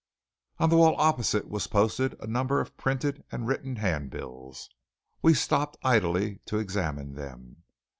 On the wall opposite was posted a number of printed and written handbills. We stopped idly to examine them.